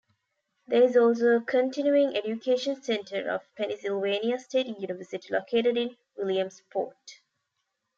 There is also a continuing education center of Pennsylvania State University located in Williamsport.